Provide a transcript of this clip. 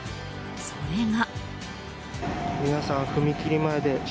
それが。